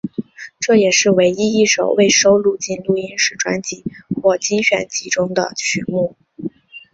这也是唯一一首未收录进录音室专辑或精选集中的曲目。